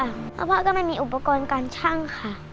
แล้วพ่อก็ไม่มีอุปกรณ์การช่างค่ะ